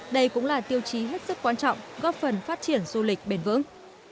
đây cũng là tiêu chí hết sức quan trọng góp phần phát triển du lịch bền vững